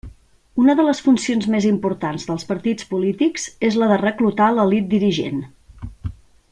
Una de les funcions més importants dels partits polítics és la de reclutar l'elit dirigent.